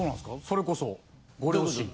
それこそご両親。